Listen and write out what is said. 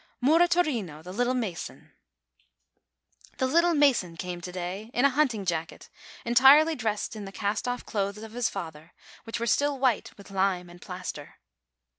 MURATORINO, THE LITTLE MASON Sunday, nth. The "little mason" came to day, in a hunting jacket, entirely dressed in the cast off clothes of his father, which were still white with lime and plaster.